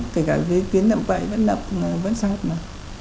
kể cả dưới kiến đậm bậy vẫn đập vẫn sát mà